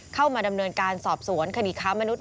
เข้ามาดำเนินการสอบสวนคดีค้ามนุษย